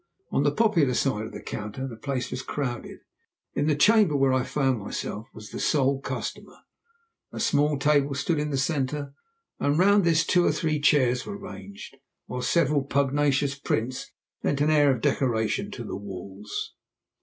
On the popular side of the counter the place was crowded; in the chamber where I found myself I was the sole customer. A small table stood in the centre, and round this two or three chairs were ranged, while several pugnacious prints lent an air of decoration to the walls.